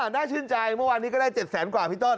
น่าชื่นใจเมื่อวานนี้ก็ได้๗แสนกว่าพี่ต้น